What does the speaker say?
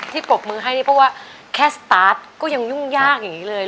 ปรบมือให้นี่เพราะว่าแค่สตาร์ทก็ยังยุ่งยากอย่างนี้เลย